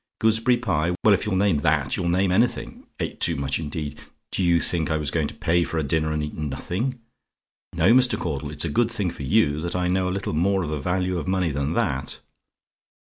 "GOOSEBERRY PIE? "Well, if you'll name that you'll name anything. Ate too much indeed! Do you think I was going to pay for a dinner, and eat nothing? No, Mr. Caudle; it's a good thing for you that I know a little more of the value of money than that.